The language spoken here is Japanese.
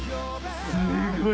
すごい！